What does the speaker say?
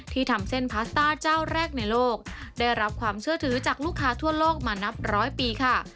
ทำเส้นพาสต้าเจ้าแรกในโลกได้รับความเชื่อถือจากลูกค้าทั่วโลกมานับร้อยปีค่ะ